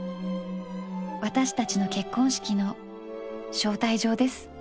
私たちの結婚式の招待状です。